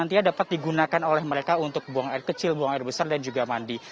nantinya dapat digunakan oleh mereka untuk buang air kecil buang air besar dan juga mandi